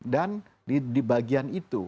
dan di bagian itu